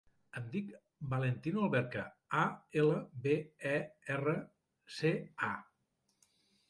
Em dic Valentino Alberca: a, ela, be, e, erra, ce, a.